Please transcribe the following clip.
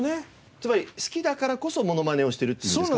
つまり好きだからこそモノマネをしているって意味ですか？